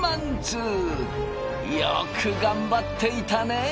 なんとよく頑張っていたねえ。